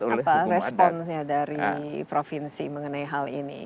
tapi biasanya apa responsnya dari provinsi mengenai hal ini